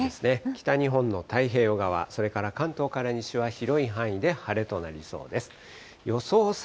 北日本の太平洋側、それから関東から西は広い範囲で晴れとなりそうです。